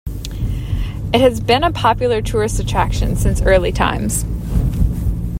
It has been a popular tourist attraction since early times.